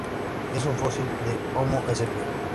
Es un fósil de "Homo" sp.